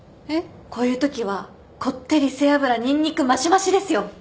こういうときはこってり背脂ニンニクマシマシですよ。